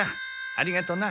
ありがとうな。